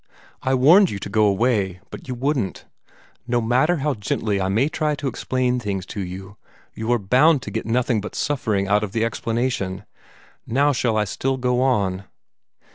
I warned you to go away, but you wouldn't. No matter how gently I may try to explain things to you, you are bound to get nothing but suffering out of the explanation. Now shall I still go on?"